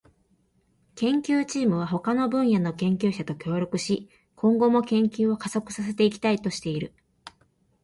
研究チームは他の分野の研究者と協力し、今後も研究を加速させていきたいとしている。